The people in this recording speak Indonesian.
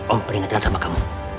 om peringatkan sama kamu